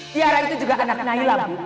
tiara itu juga anak nailah